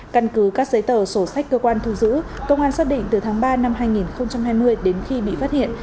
căn cứ các giấy tờ sổ sách cơ quan thu giữ công an xác định từ tháng ba năm hai nghìn hai mươi đến khi bị phát hiện